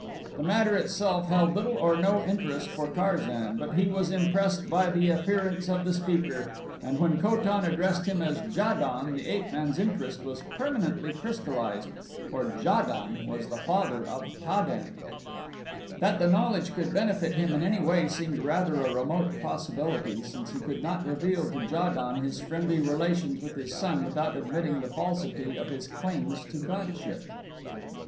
The matter itself held little or no interest for Tarzan, but he was impressed by the appearance of the speaker and when Ko tan addressed him as Ja don the ape man's interest was permanently crystallized, for Ja don was the father of Ta den. That the knowledge would benefit him in any way seemed rather a remote possibility since he could not reveal to Ja don his friendly relations with his son without admitting the falsity of his claims to godship.